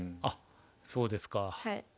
あっそうですか。